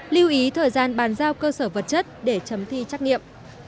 lưu ý thời gian bàn giao cơ sở vật chất để chấm thi trắc nghiệm